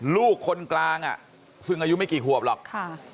ลูกคนกลางอ่ะซึ่งอายุไม่กี่ขวบหรอกค่ะ